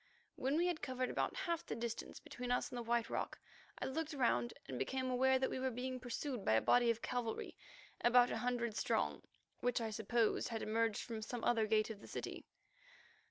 When we had covered about half the distance between us and the White Rock, I looked round and became aware that we were being pursued by a body of cavalry about a hundred strong, which I supposed had emerged from some other gate of the city.